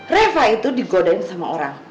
reva itu digodain sama orang